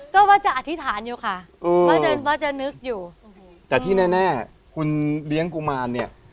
ก็ว่าจะอธิษฐานอยู่ค่ะก็จะว่าจะนึกอยู่แต่ที่แน่คุณเลี้ยงกุมารเนี่ย